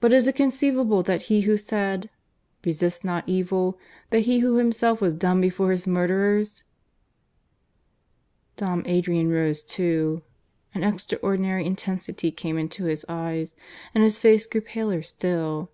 But is it conceivable that He who said, 'Resist not evil,' that He who Himself was dumb before his murderers " Dom Adrian rose too. An extraordinary intensity came into his eyes, and his face grew paler still.